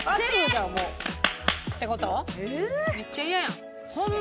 めっちゃイヤやん。